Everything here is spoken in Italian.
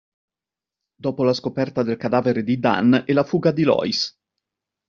Dopo la scoperta del cadavere di Dan e la fuga di Loïs.